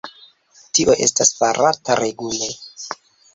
Tio estas farata regule.